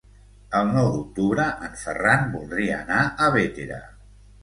El nou d'octubre en Ferran voldria anar a Bétera.